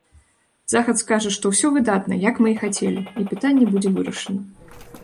Захад скажа, што ўсё выдатна, як мы і хацелі, і пытанне будзе вырашана.